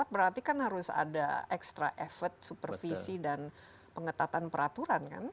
berarti kan harus ada extra effort supervisi dan pengetatan peraturan kan